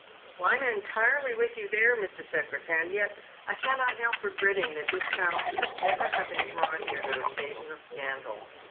" I am entirely with you there, Mr. Secretan, yet I cannot help regretting that this child should have ever been brought here t» occasion a scandal.